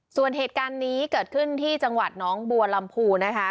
ส่วนเหตุการณ์นี้เกิดขึ้นที่จังหวัดน้องบัวลำพูนะคะ